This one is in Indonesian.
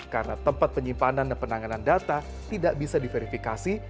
karena tempat penyimpanan dan penanganan data tidak bisa diverifikasi